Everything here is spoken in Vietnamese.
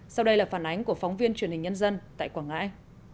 sau đây là phản ánh của phóng viên truyền hình nhân dân tại quảng ngãi